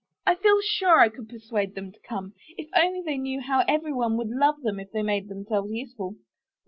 I feel sure I could persuade them to come; if they only knew how every one would love them if they made themselves useful!"